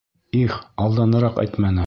Их, алданыраҡ әйтмәне.